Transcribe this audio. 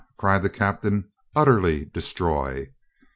cried the captain. "Utterly destroy!"